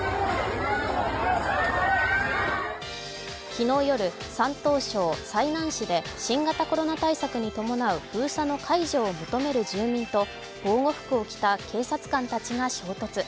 昨日夜、山東省済南市で新型コロナ対策に伴う封鎖の解除を求める住民と防護服を着た警察官たちが衝突。